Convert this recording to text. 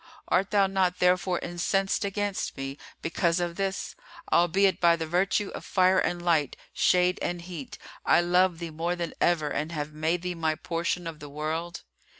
Art thou not therefore incensed against me, because of this, albeit by the virtue of Fire and Light, Shade and Heat, I love thee more than ever and have made thee my portion of the world?"